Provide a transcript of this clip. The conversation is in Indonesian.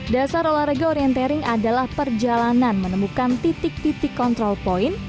dasar olahraga orientering adalah perjalanan menemukan titik titik kontrol point